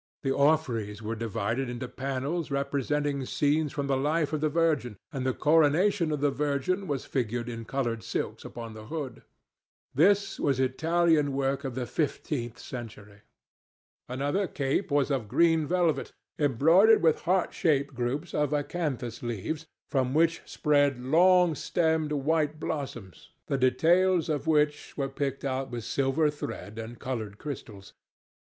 The orphreys were divided into panels representing scenes from the life of the Virgin, and the coronation of the Virgin was figured in coloured silks upon the hood. This was Italian work of the fifteenth century. Another cope was of green velvet, embroidered with heart shaped groups of acanthus leaves, from which spread long stemmed white blossoms, the details of which were picked out with silver thread and coloured crystals.